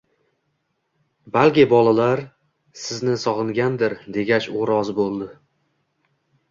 Balki, bolalar ham sizni sog'ingandir,-degach, u rozi bo'ldi.